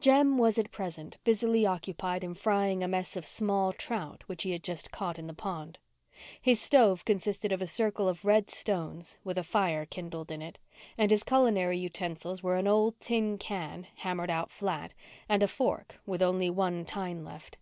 Jem was at present busily occupied in frying a mess of small trout which he had just caught in the pond. His stove consisted of a circle of red stones, with a fire kindled in it, and his culinary utensils were an old tin can, hammered out flat, and a fork with only one tine left.